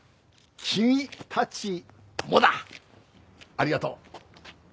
ありがとう。